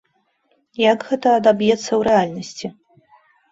Як гэта адаб'ецца ў рэальнасці?